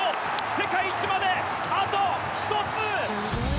世界一まで、あと１つ！